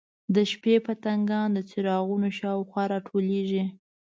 د شپې پتنګان د څراغونو شاوخوا راټولیږي.